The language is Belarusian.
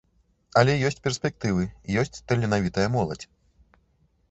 Але ёсць перспектывы, ёсць таленавітая моладзь.